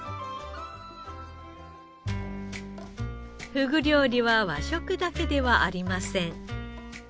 ふぐ料理は和食だけではありません。